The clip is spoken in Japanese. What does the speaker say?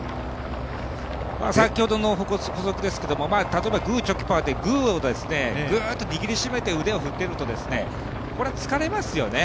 先ほどの捕捉ですけど、例えばグーチョキパーってグーをぐーっと握りしめて腕を振っていると疲れますよね。